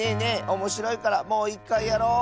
おもしろいからもういっかいやろう！